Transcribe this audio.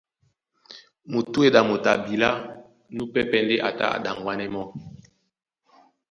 Mutúedi a motoi abilá núpɛ́pɛ̄ ndé a tá a ɗaŋwanɛ mɔ́.